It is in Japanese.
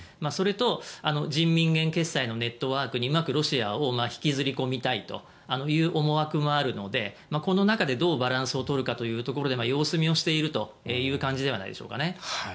それと人民元決済のネットワークにうまくロシアを引きずり込みたいというのもあるのでこの中で、どうバランスを取るかというところで様子見をしているという感じではないでしょうか。